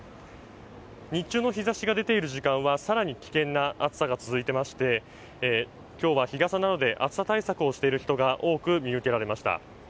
日中の日ざしが出ている時間はかなり危険な暑さとなっていまして今日は日傘などで暑さ対策をしている人が多く見受けられました。